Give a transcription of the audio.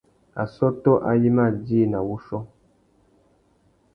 Assôtô ayê i mà djï nà wuchiô.